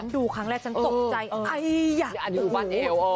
ดูครั้งแรกฉันตกใจอย่าอยู่บันเอว